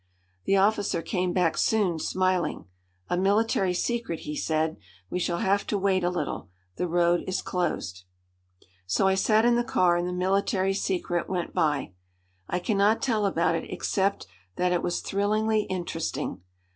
The officer came back soon, smiling. "A military secret!" he said. "We shall have to wait a little. The road is closed." So I sat in the car and the military secret went by. I cannot tell about it except that it was thrillingly interesting.